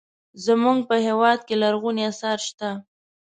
زموږ په هېواد کې لرغوني اثار شته.